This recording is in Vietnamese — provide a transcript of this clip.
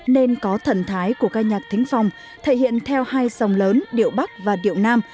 nên có thần thái của ca nhạc thính phong thể hiện theo hai dòng lớn điệu bắc và điệu nam